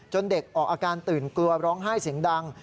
เด็กออกอาการตื่นกลัวร้องไห้เสียงดัง